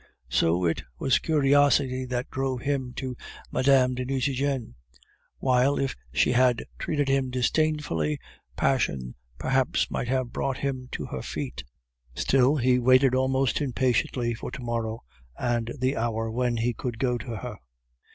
So it was curiosity that drew him to Mme. de Nucingen; while, if she had treated him disdainfully, passion perhaps might have brought him to her feet. Still he waited almost impatiently for to morrow, and the hour when he could go to her.